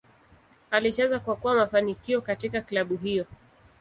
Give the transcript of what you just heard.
Alicheza kwa kwa mafanikio katika klabu hiyo.